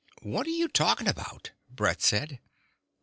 "What are you talking about?" Brett said.